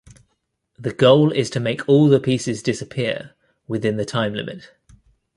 The goal is to make all the pieces disappear within the time limit.